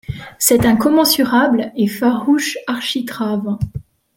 Cette incommensurable et farouche architrave.